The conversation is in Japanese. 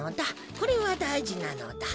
これはだいじなのだ。